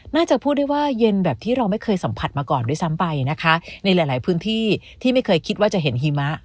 น่าจะพูดได้ว่าเย็นแบบที่เราไม่เคยสัมผัสมาก่อนด้วยซ้ำไปนะคะในหลายหลายพื้นที่ที่ไม่เคยคิดว่าจะเห็นหิมะ